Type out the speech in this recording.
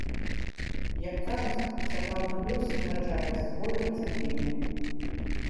Як кажуць, сапраўдны блюз нараджаецца з болю і цярпення.